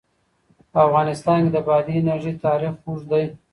په افغانستان کې د بادي انرژي تاریخ اوږد دی.